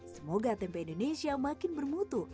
semoga tempe indonesia makin bermutu